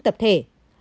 tập trung của công ty